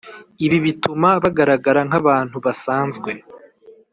Ibi bituma bagaragara nk'abantu basanzwe,